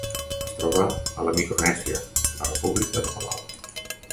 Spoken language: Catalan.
Es troba a la Micronèsia: la República de Palau.